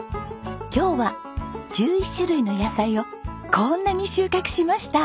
今日は１１種類の野菜をこーんなに収穫しました！